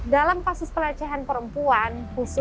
dalam kasus pelecehan perempuan